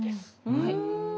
はい。